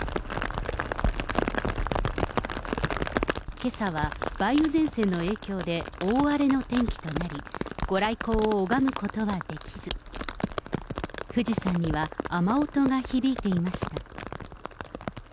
けさは梅雨前線の影響で大荒れの天気となり、ご来光を拝むことはできず、富士山には雨音が響いていました。